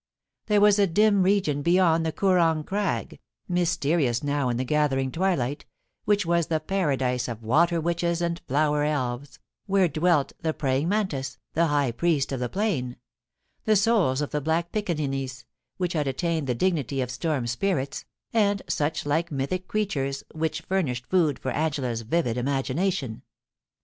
There was a dim region beyond the Koorong Crag, mysterious now in the gathering twilight, which was the Paradise of water witches and flower elves, where dwelt the praying mantis, the high priest of the plain ; the souls of black piccaninies, which had attained the dignity of storm spirits, and such like mythic creatures which furnished food for Angela's vivid imagination.